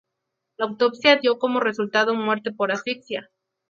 La autopsia dio como resultado muerte por asfixia.